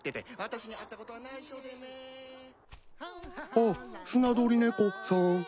あっスナドリネコさん。